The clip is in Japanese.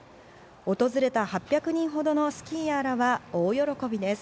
訪れた８００人ほどのスキーヤーらは大喜びです。